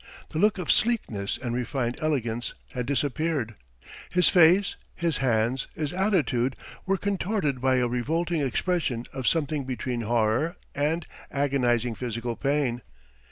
The look of sleekness and refined elegance had disappeared his face, his hands, his attitude were contorted by a revolting expression of something between horror and agonizing physical pain.